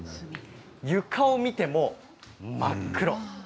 床を見ても真っ黒。